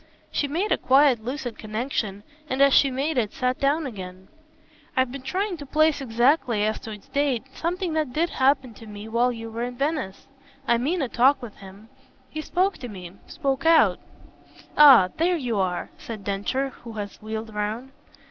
She made a quiet lucid connexion and as she made it sat down again. "I've been trying to place exactly, as to its date, something that did happen to me while you were in Venice. I mean a talk with him. He spoke to me spoke out." "Ah there you are!" said Densher who had wheeled round.